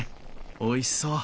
おいしそう。